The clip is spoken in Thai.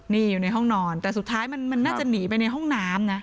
นี่อยู่ในห้องนอนแต่สุดท้ายมันน่าจะหนีไปในห้องน้ำนะ